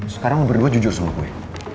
sekarang berdua jujur sama gue